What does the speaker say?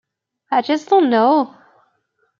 I just don't know.